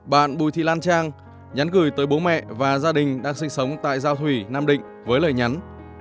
bạn bùi thị lan trang nhắn gửi tới bố mẹ và gia đình đang sinh sống tại giao thủy nam định với lời nhắn